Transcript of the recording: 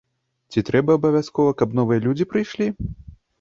Ці трэба абавязкова, каб новыя людзі прыйшлі?